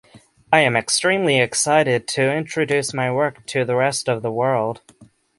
I am extremely excited to introduce my work to the rest of the world.